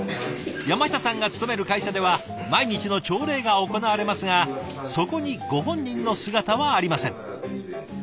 山下さんが勤める会社では毎日の朝礼が行われますがそこにご本人の姿はありません。